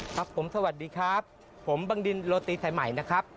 ครับผมสวัสดีครับผมบังดินโรตีไทยใหม่นะครับ